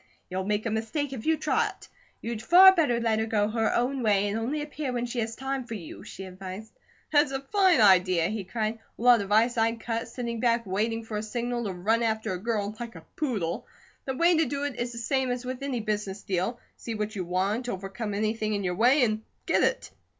"You'll make a mistake if you try it. You'd far better let her go her own way and only appear when she has time for you," she advised. "That's a fine idea!" he cried. "A lot of ice I'd cut, sitting back waiting for a signal to run after a girl, like a poodle. The way to do is the same as with any business deal. See what you want, overcome anything in your way, and get it.